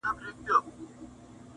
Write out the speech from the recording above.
نور په داسي ظالمانو زړه ښه نه کړئ!.